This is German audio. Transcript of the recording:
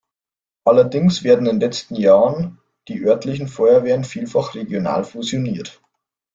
Allerdings werden in letzten Jahren die örtlichen Feuerwehren vielfach regional fusioniert.